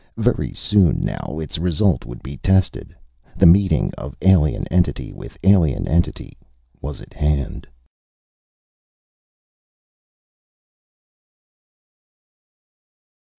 Very soon now its result would be tested. The meeting of alien entity with alien entity was at hand.